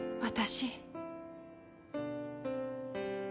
私。